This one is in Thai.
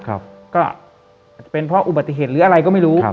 ก็อาจจะเป็นเพราะอุบัติเหตุหรืออะไรก็ไม่รู้